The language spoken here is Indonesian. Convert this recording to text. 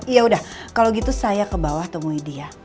ya udah kalau gitu saya ke bawah tungguin dia